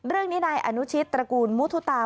เรื่องนี้นายอนุชิตตระกูลมุทุตา